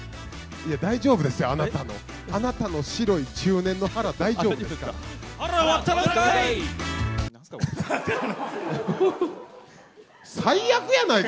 大丈夫です、あなたの、あなたの白い中年の腹、大丈夫ですよ。